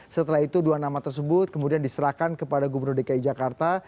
setelah itu dua nama tersebut kemudian diserahkan kepada gubernur dki jakarta